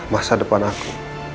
masa depan aku